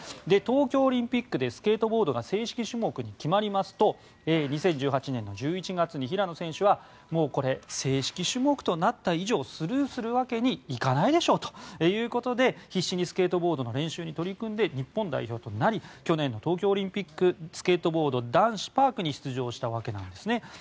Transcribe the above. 東京オリンピックでスケートボードが正式種目に決まりますと２０１８年の１１月に平野選手は正式種目となった以上スルーするわけにいかないでしょということで必死にスケートボードの練習に取り組んで日本代表となり去年の東京オリンピックスケートボード男子パークに出場したわけです。